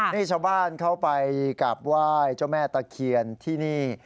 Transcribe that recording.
นี่ชาวบ้านเขาไปกราบไหว้เจ้าแม่ตะเคียนที่นี่